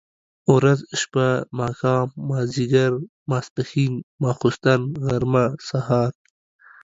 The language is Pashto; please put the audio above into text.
ورځ، شپه ،ماښام، ماځيګر، ماسپښن ، ماخوستن ، غرمه ،سهار،